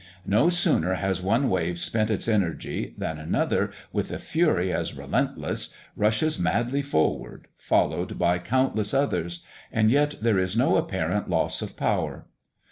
No sooner has one wave spent its energy than another, with a fury as relentless, rushes madly forward, followed by countless others; and yet there is no apparent loss of power.